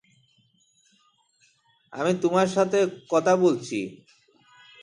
আমি তোমার সাথে কথা বলছি!